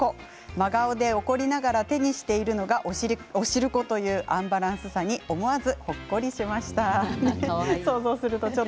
真顔で怒りながら手にしているのがお汁粉というアンバランスさに思わずほっこりしました。